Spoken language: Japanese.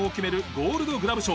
ゴールドグラブ賞。